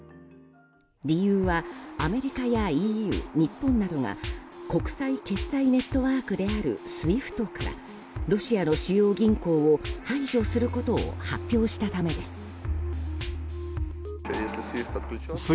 理由はアメリカやＥＵ日本などが国際決済ネットワークであるＳＷＩＦＴからロシアの主要銀行を排除することを発表したためです。